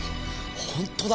本当だ！